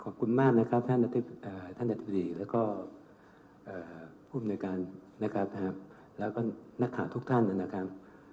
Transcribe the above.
ขอบคุณมากนะครับท่านอธิบดิ์และผู้มีรการและก็นักข่าวทุกท่านนะครับ